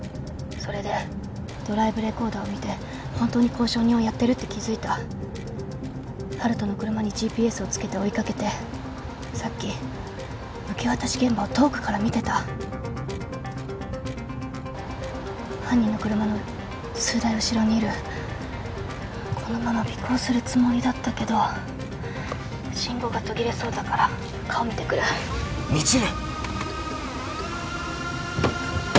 それでドライブレコーダーを見て本当に交渉人をやってるって気づいた温人の車にＧＰＳをつけて追いかけてさっき受け渡し現場を遠くから見てた犯人の車の数台後ろにいるこのまま尾行するつもりだったけど☎信号が途切れそうだから顔見てくる未知留！